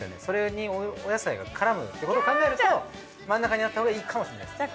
それにお野菜が絡むってことを考えると真ん中にあったほうがいいかもしれないです。